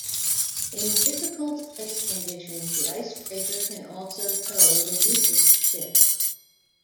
In difficult ice conditions, the icebreaker can also tow the weakest ships.